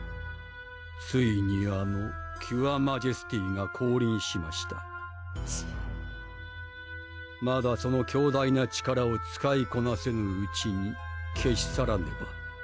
ついにあのキュアマジェスティが降臨しましたチッまだその強大な力を使いこなせぬうちに消し去らねば・